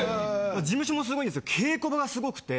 事務所もすごいんですけど稽古場がすごくて。